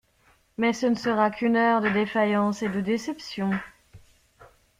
Mais ce ne sera qu'une heure de défaillance et de déception.